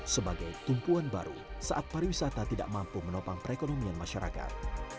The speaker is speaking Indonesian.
sebagai tumpuan baru saat pariwisata tidak mampu menopang perekonomian masyarakat